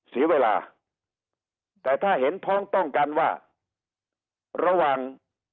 เสียเวลาแต่ถ้าเห็นพ้องต้องกันว่าระหว่าง